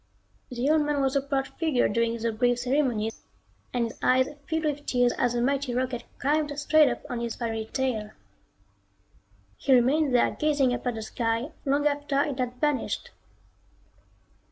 The old man was a proud figure during the brief ceremonies and his eyes filled with tears as the mighty rocket climbed straight up on its fiery tail. He remained there gazing up at the sky long after it had vanished.